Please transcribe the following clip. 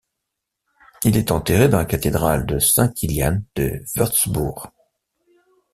Il est enterré dans la cathédrale Saint-Kilian de Wurtzbourg.